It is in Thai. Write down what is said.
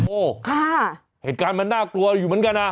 โอ้โหเหตุการณ์มันน่ากลัวอยู่เหมือนกันนะ